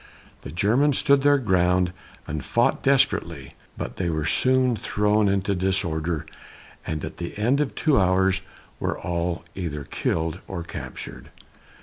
The Germans stood their ground and fought desperately, but they were soon thrown into disorder, and at the end of two hours were all either killed or captured.